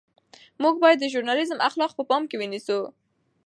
موږ باید د ژورنالیزم اخلاق په پام کې ونیسو.